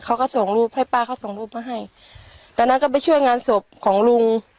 เขาก็ส่งรูปให้ป้าเขาส่งรูปมาให้ตอนนั้นก็ไปช่วยงานศพของลุง